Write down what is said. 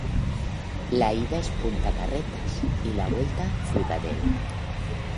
La ida es Punta Carretas y la vuelta Ciudadela.